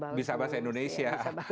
dan bisa bahasa indonesia